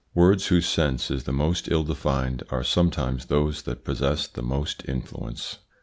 Words whose sense is the most ill defined are sometimes those that possess the most influence.